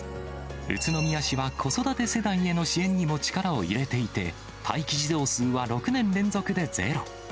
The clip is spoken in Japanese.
宇都宮市は子育て世代への支援にも力を入れていて、待機児童数は６年連続でゼロ。